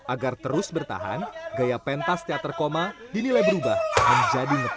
agar terus bertahan gaya pentas teater koma dinilai berubah menjadi